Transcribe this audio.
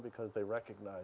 karena mereka mengakui